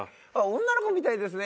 女の子みたいですね。